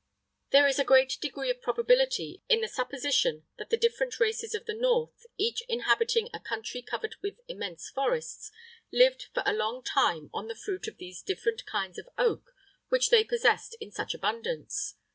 [III 5] There is a great degree of probability in the supposition that the different races of the north, each inhabiting a country covered with immense forests, lived for a long time on the fruit of these different kinds of oak which they possessed in such abundance.